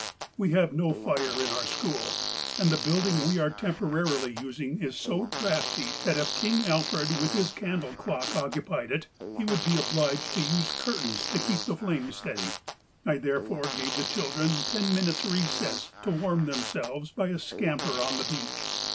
"We have no fire in our school, and the building we are temporarily using is so drafty, that if King Alfred with his candle clock occupied it, he would be obliged to use curtains to keep the flame steady. I therefore gave the children ten min utes recess to warm themselves by a scamper on the beach.